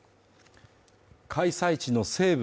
開催地の西部